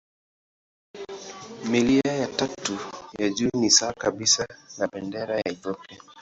Milia ya tatu ya juu ni sawa kabisa na bendera ya Ethiopia.